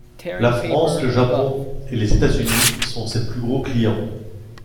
La France, le Japon et les États-Unis sont ses plus gros clients.